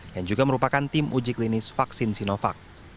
yang juga merupakan tim uji klinis vaksin sinovac